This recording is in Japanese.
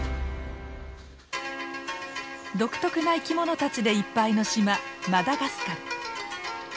独特な生き物たちでいっぱいの島マダガスカル。